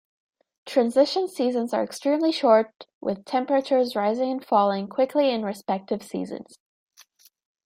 Transition seasons are extremely short, with temperatures rising and falling quickly in respective seasons.